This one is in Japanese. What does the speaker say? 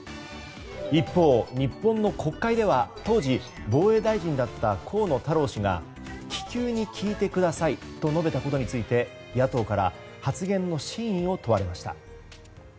一方、日本の国会では当時、防衛大臣だった河野太郎氏が気球に聞いてくださいと述べたことについて野党から発言の真意を問われました。